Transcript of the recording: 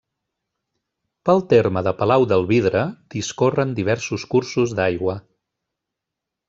Pel terme de Palau del Vidre discorren diversos cursos d'aigua.